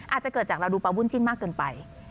อาจจะเกิดจากเราดูปลาวุ่นจิ้นมากเกินไป